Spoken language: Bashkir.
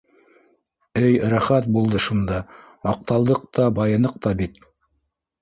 Эй, рәхәт булды шунда: маҡталдыҡ та, байыныҡ та бит!